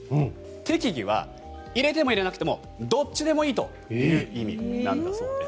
適宜は入れても入れなくてもどっちでもいいという意味なんだそうです。